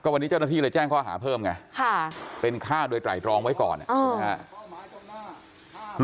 วันนี้เจ้าหน้าที่ใจ้งข้อมูลเพิ่ม่อเป็นค่าด้วยตายรองค่าต่างกับปลวง